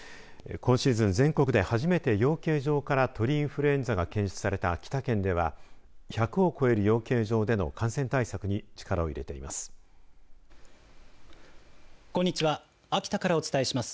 今シーズン全国で初めて養鶏場から鳥インフルエンザが検出された秋田県では１００を超える養鶏場での感染対策に力を入れています。